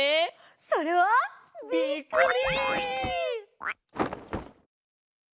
それは。びっくり！